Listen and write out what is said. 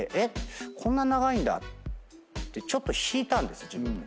こんな長いんだってちょっと引いたんです自分で。